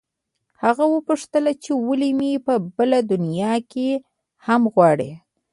هغې وپوښتل چې ولې مې په بله دنیا کې هم غواړې